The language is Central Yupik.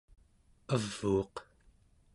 avuuq